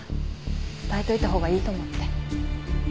伝えておいたほうがいいと思って。